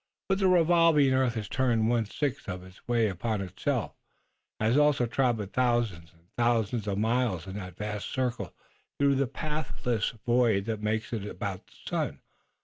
But the revolving earth has turned one sixth of its way upon itself. It has also traveled thousands and thousands of miles in that vast circle through the pathless void that it makes about the sun.